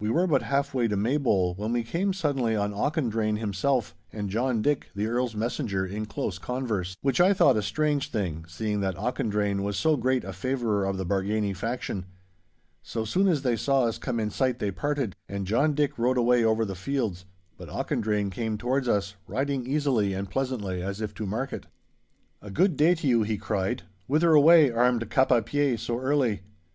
We were but half way to Maybole when we came suddenly on Auchendrayne himself and John Dick, the Earl's messenger, in close converse—which I thought a strange thing, seeing that Auchendrayne was so great a favourer of the Bargany faction. So soon as they saw us come in sight they parted, and John Dick rode away over the fields, but Auchendrayne came towards us, riding easily and pleasantly as if to market. 'A good day to you,' he cried. 'Whither away, armed cap à pie, so early?